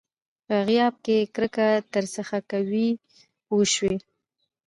په غیاب کې کرکه درڅخه کوي پوه شوې!.